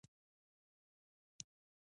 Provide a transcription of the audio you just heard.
يوه سړي د ازدواج وس نه درلود.